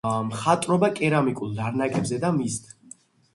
მხატვრობა კერამიკულ ლარნაკებზე და მისთ.